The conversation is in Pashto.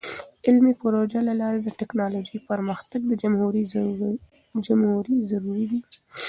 د علمي پروژو له لارې د ټیکنالوژۍ پرمختګ د جمهوری ضروری دی.